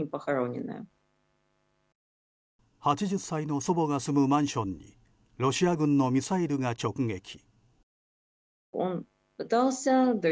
８０歳の祖母が住むマンションにロシア軍のミサイルが直撃。